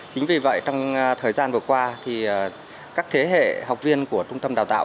chính vì vậy trong thời gian vừa qua thì các thế hệ học viên của trung tâm đào tạo